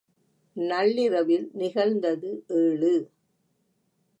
நள்ளிரவில் நிகழ்ந்தது ஏழு.